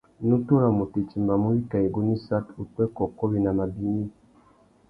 Nutu râ mutu i timbamú wikā igunú issat, upwê, kôkô, winama bignï.